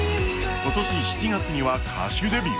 今年７月には歌手デビュー。